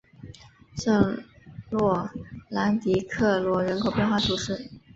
圣洛朗迪克罗人口变化图示